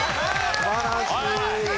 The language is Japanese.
素晴らしい！